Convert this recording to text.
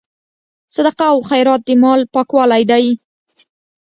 صدقه او خیرات د مال پاکوالی دی.